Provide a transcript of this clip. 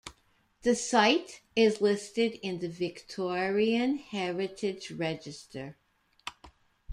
The site is listed in the Victorian Heritage Register.